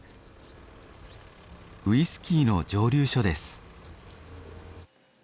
ウイスキーの蒸留所です。